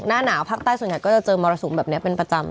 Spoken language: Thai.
หน้าหนาวภาคใต้ส่วนใหญ่ก็จะเจอมรสุมแบบนี้เป็นประจำ